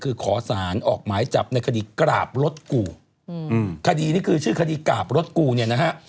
คือขอสารออกหมายจับในคดีกราบรถกูอืมคดีนี้คือชื่อคดีกราบรถกูเนี่ยนะฮะ